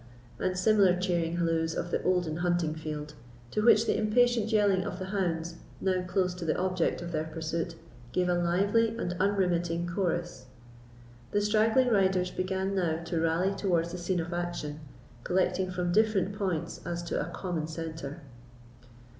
and similar cheering halloos of the olden hunting field, to which the impatient yelling of the hounds, now close of the object of their pursuit, gave a lively and unremitting chorus. The straggling riders began now to rally towards the scene of action, collecting from different points as to a common centre.